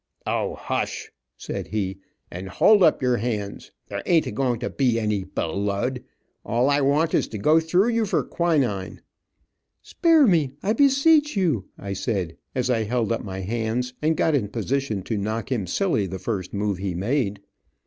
"O, hush," said he, "and hold up your hands. There ain't going to be any bel lud. All I want is to go through you for quinine." "Spare me, I beseech you," I said, as I held up my hands, and got in position to knock him silly the first move he made.